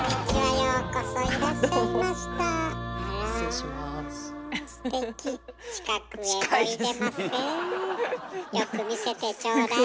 よく見せてちょうだい。